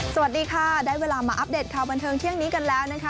สวัสดีค่ะได้เวลามาอัปเดตข่าวบันเทิงเที่ยงนี้กันแล้วนะคะ